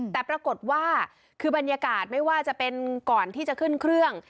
แต่ปรากฏว่าคือบรรยากาศไม่ว่าจะเป็นก่อนที่จะขึ้นเครื่อง